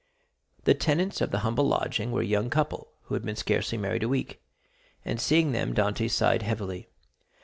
The tenants of the humble lodging were a young couple who had been scarcely married a week; and seeing them, Dantès sighed heavily.